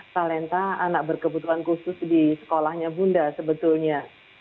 talenta anak berkebutuhan khusus di sekolahnya bunda sebetulnya